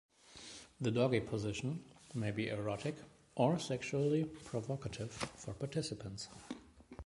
The doggy position may be erotic or sexually provocative for participants.